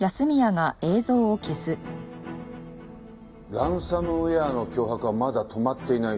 ランサムウェアの脅迫はまだ止まっていない。